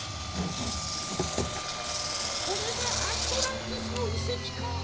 これがアントランティスのいせきか。